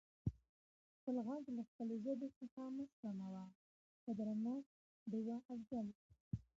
خپل غږ له خپلې ژبې څخه مه سپموٸ په درنښت ډیوه افضل🙏